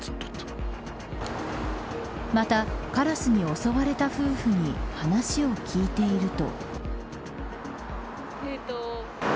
また、カラスに襲われた夫婦に話を聞いていると。